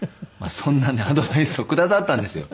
そんなねアドバイスをくださったんですよ。